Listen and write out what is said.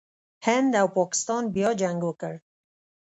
هند او پاکستان بیا جنګ وکړ.